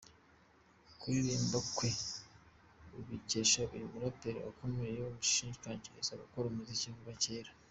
Kuririmba kwe abikesha uyu muraperi wakomeje kumushishikariza gukora umuziki kuva kera.